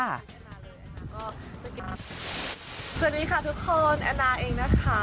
สวัสดีค่ะทุกคนแอนนาเองนะคะ